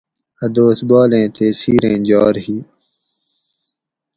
اٞ دوس بالیں تے سِیریں جھار ہی